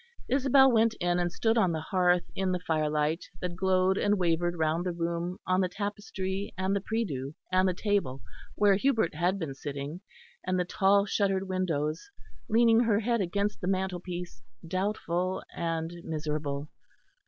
Isabel went in and stood on the hearth in the firelight that glowed and wavered round the room on the tapestry and the prie dieu and the table where Hubert had been sitting and the tall shuttered windows, leaning her head against the mantelpiece, doubtful and miserable.